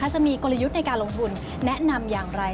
จะมีกลยุทธ์ในการลงทุนแนะนำอย่างไร